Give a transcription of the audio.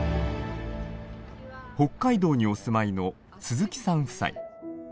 北海道にお住まいの鈴木さん夫妻。